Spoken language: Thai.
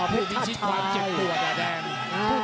พี่พิชิตความเจ็บปวดอ่ะแดง